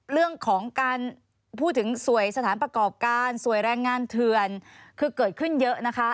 เรื่องของการพูดถึงสวยสถานประกอบการสวยแรงงานเถื่อนคือเกิดขึ้นเยอะนะคะ